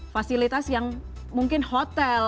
fasilitas yang mungkin hotel